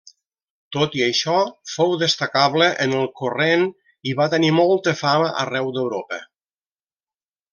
Tot i això, fou destacable en el corrent i va tenir molta fama arreu d'Europa.